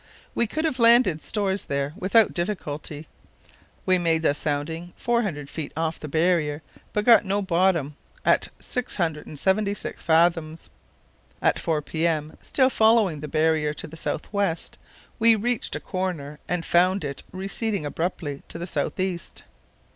We could have landed stores there without difficulty. We made a sounding 400 ft. off the barrier but got no bottom at 676 fathoms. At 4 p.m., still following the barrier to the south west, we reached a corner and found it receding abruptly to the south east.